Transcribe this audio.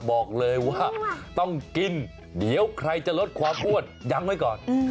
บอกเลยว่าต้องกินเดี๋ยวใครจะลดความอ้วนยั้งไว้ก่อน